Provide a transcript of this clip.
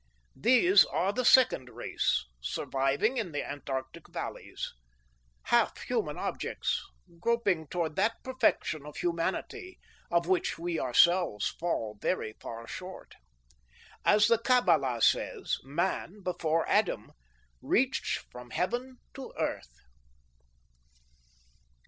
"These are the second race, surviving in the Antarctic valleys. Half human objects, groping toward that perfection of humanity of which we ourselves fall very far short. As the Kabbala says, man, before Adam, reached from heaven to earth."